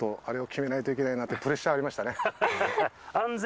あれを決めないといけないなってプレッシャーありましたね。